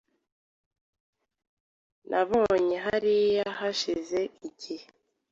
Nababonye hariya hashize igihe .